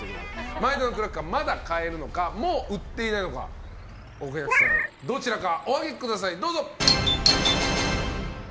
前田のクラッカーまだ買えるのかもう売ってないのかお客さん、どちらかお上げください、どうぞ！